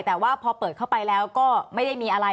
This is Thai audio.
แต่ว่าพอเปิดเข้าไปแล้วก็ไม่ได้มีอะไร